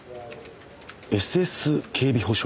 「ＳＳ警備保障」。